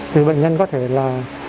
thì bệnh nhân có thể là